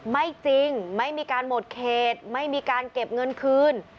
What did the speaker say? ไม่จริงไม่มีการหมดเขตไม่มีการเก็บเงินคืน